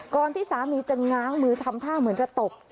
ที่สามีจะง้างมือทำท่าเหมือนจะตบ